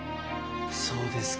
そうですか。